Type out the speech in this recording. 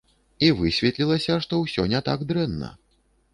І высветлілася, што ўсё не так дрэнна!